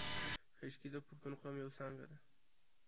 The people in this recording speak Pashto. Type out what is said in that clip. خیشکي د پښتون قوم یو څانګه ده